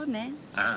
ああ